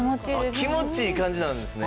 気持ちいい感じなんですね。